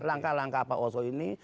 langkah langkah pak oso ini